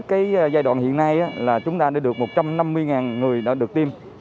cái giai đoạn hiện nay là chúng ta đã được một trăm năm mươi người đã được tiêm